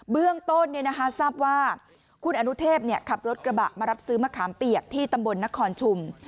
เบื้องต้นทราบว่าคุณอนุเทพขับรถกระบะมารับซื้อมะขามเปียกที่ตำบลนครชุม